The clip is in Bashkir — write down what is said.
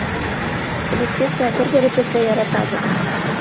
Элеккесә бер-беребеҙҙе яратабыҙ.